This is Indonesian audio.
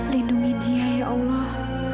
lindungi dia ya allah